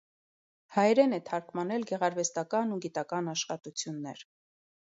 Հայերեն է թարգմանել գեղարվեստական ու գիտական աշխատություններ։